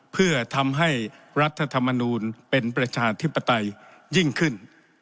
เพื่อทำให้รัฐธรรมนูลเป็นประชาธิปไตยยิ่งขึ้น